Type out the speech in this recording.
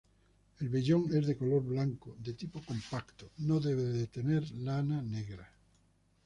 El vellón es de color blanco de tipo compacto, no debe tener lana negra.